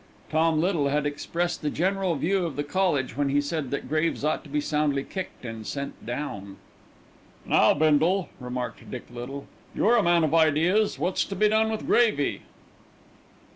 Tom Little had expressed the general view of the college when he said that Graves ought to be soundly kicked and sent down. "Now, Bindle," remarked Dick Little, "you're a man of ideas: what's to be done with Gravy?"